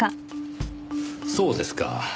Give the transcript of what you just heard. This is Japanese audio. そうですか。